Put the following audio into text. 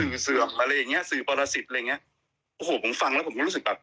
สื่อเสื่อมอะไรอย่างเงี้สื่อปรสิทธิ์อะไรอย่างเงี้ยโอ้โหผมฟังแล้วผมก็รู้สึกแบบ